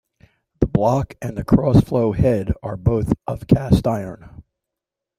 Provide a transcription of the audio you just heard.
The block and crossflow head are both of cast iron.